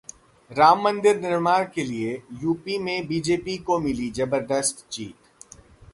'राम मंदिर निर्माण के लिए यूपी में बीजेपी को मिली जबरदस्त जीत'